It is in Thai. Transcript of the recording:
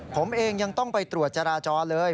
ผมเองยังต้องไปตรวจจราจรเลย